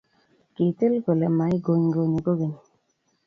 Kitil gole magoigonyi kogeny